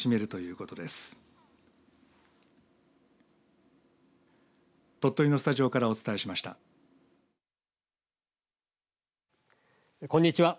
こんにちは。